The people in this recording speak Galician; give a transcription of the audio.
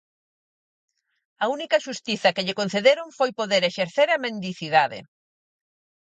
A única "xustiza" que lle concederon foi poder exercer a mendicidade.